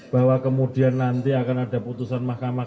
bahwa kemudian nanti akan ada putusan mahkamah konstitusi